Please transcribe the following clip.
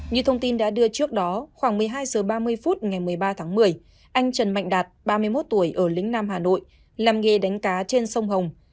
như thông tin đã đưa trước đó khoảng một mươi hai h ba mươi phút ngày một mươi ba tháng một mươi anh trần mạnh đạt ba mươi một tuổi ở lĩnh nam hà nội làm nghề đánh cá trên sông hồng